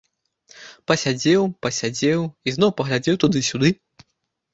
Пасядзеў, пасядзеў, ізноў паглядзеў туды-сюды.